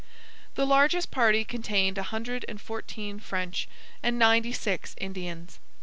The largest party contained a hundred and fourteen French and ninety six Indians.